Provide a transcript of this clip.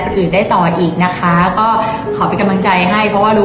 แค่ร่วมแค่ร่วมพี่แม่จะไปเลยลูกพี่แม่จะไปพี่แม่จะไปให้แขวนลูก